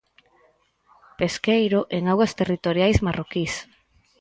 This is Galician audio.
Pesqueiro en augas territoriais marroquís.